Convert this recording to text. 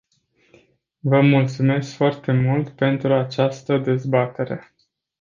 Vă mulțumesc foarte mult pentru această dezbatere.